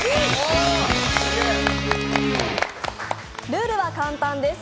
ルールは簡単です。